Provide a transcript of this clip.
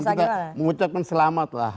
bahkan kita mengucapkan selamat lah